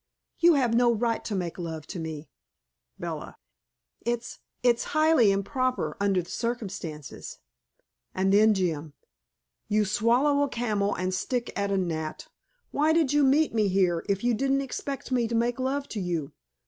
"You have no right to make love to me," Bella. "It's it's highly improper, under the circumstances." And then Jim: "You swallow a camel and stick at a gnat. Why did you meet me here, if you didn't expect me to make love to you?